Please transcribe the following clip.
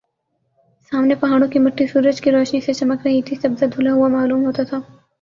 سامنے پہاڑوں کی مٹی سورج کی روشنی سے چمک رہی تھی سبزہ دھلا ہوا معلوم ہوتا تھا